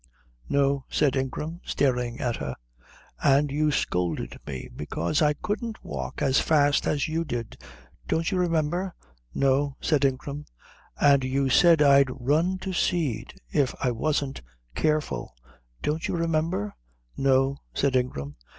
"No," said Ingram, staring at her. "And you scolded me because I couldn't walk as fast as you did. Don't you remember?" "No," said Ingram. "And you said I'd run to seed if I wasn't careful. Don't you remember?" "No," said Ingram.